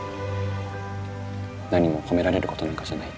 何も褒められることなんかじゃない。